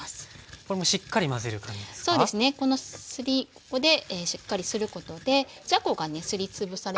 ここでしっかりすることでじゃこがねすり潰されますよね。